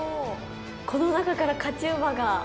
この中から勝ち馬が。